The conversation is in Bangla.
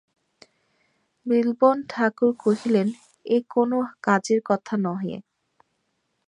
বিল্বন ঠাকুর কহিলেন, এ কোনো কাজের কথাই নহে।